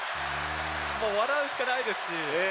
もう、笑うしかないですし。